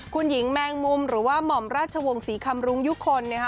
คุณหญิงแมงมุมหรือว่าหม่อมราชวงศ์ศรีคำรุงยุคลนะฮะ